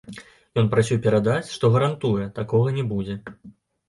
Ён прасіў перадаць, што гарантуе, такога не будзе.